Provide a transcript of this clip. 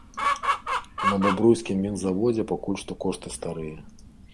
На бабруйскім вінзаводзе пакуль кошты старыя.